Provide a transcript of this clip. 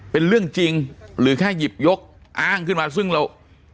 เป็นเรื่องจริงหรือแค่หยิบยกอ้างขึ้นมาซึ่งเรา